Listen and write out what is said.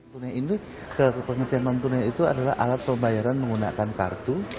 tni indonesia adalah alat pembayaran menggunakan kartu